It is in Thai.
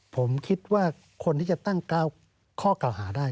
ผมคิดว่าคนที่จะตั้ง๙ข้อเก่าหาได้